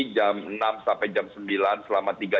jam enam sampai jam sembilan selamatnya